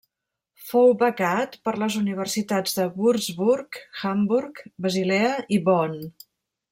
Fou becat per les universitats de Würzburg, Hamburg, Basilea i Bonn.